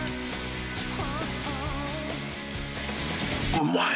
うまい。